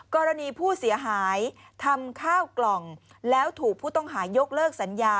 กรณีผู้เสียหายทำข้าวกล่องแล้วถูกผู้ต้องหายกเลิกสัญญา